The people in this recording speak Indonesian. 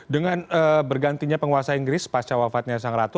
dengan bergantinya penguasa inggris pasca wafatnya sang ratu